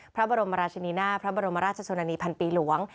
พระบรมราชินีนาพระบรมราชชนนานีพันปีหลวง